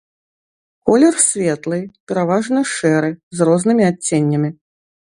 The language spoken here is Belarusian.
Колер светлы, пераважна шэры, з рознымі адценнямі.